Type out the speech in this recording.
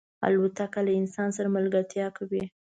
الوتکه له انسان سره ملګرتیا کوي.